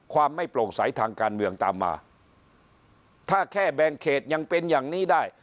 ความไม่โปร่งใสทางการเมืองตามมาถ้าแค่แบ่งเขตยังเป็นอย่างนี้ได้